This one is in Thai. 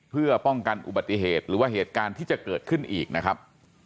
เพื่อป้องกันอุบัติเหตุหรือว่าเหตุการณ์ที่จะเกิดขึ้นอีกนะครับ